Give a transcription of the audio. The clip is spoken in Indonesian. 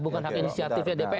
bukan hak inisiatifnya dpr